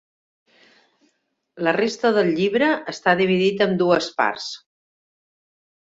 La resta del llibre està dividit en dues parts.